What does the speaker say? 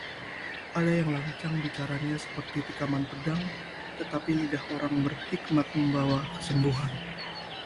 Ada yang lancang bicaranya seperti tikaman pedang, tetapi lidah orang berhikmat membawa kesembuhan.